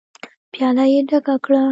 پياله يې ډکه کړه.